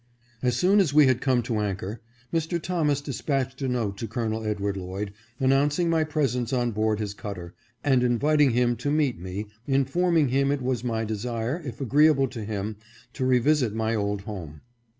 As soon as we had come to anchor, Mr. Thomas dispatched a note to Col. Edward Lloyd, announcing my presence on board his cutter, and inviting him to meet me, informing him it was my desire, if agreeable to him, to revisit my old home.